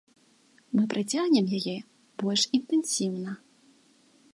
Мы працягнем яе больш інтэнсіўна.